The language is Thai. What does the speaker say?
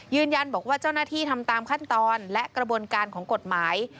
ยืนยันบอกว่าเจ้าหน้าที่ทำตามขั้นตอนและกระบวนการของกฎหมาย